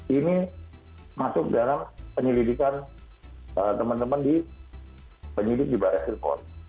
ini masuk dalam penyelidikan teman teman penyidik di barres rin